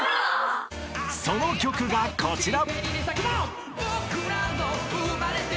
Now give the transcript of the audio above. ［その曲がこちら］